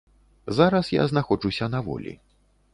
Зараз я знаходжуся на волі.